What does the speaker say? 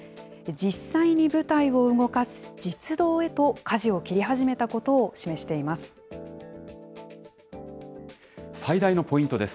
実際に部隊を動かす実動へとかじを切り始めたことを示しています。